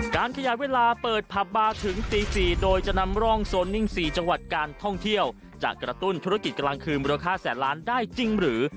การขยายเวลาเปิดผับบาร์ถึงตี๔โดยจะนำร่องโซนิ่ง๔จังหวัดการท่องเที่ยวจะกระตุ้นธุรกิจกลางคืนมูลค่าแสนล้านได้จริงหรือ